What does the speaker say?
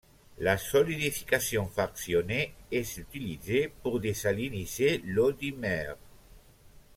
La solidification fractionnée est utilisée pour désaliniser l'eau de mer.